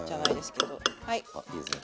あいいですね